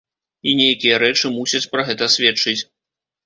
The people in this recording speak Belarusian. І нейкія рэчы мусяць пра гэта сведчыць.